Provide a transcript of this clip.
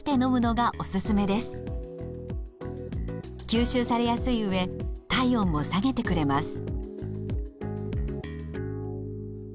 吸収されやすいうえ体温も下げてくれます。